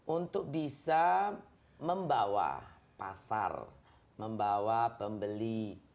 untuk bisa membawa pasar membawa pembeli